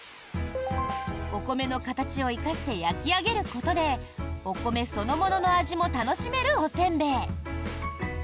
お米の形を生かして焼き上げることでお米そのものの味も楽しめるおせんべい。